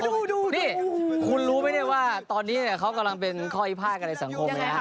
นี่คุณรู้ไหมนี่ว่าตอนนี้เขากำลังเป็นข้ออิภาคในสังคม